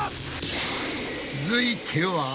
続いては。